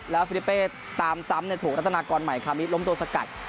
แล้วฟิลิเป้ตามซ้ำถูกรัฐนากรใหม่คามิล้มตัวสกัด